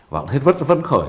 và cũng thêm vất vấn khởi